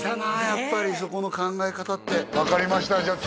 やっぱりそこの考え方って分かりましたじゃあ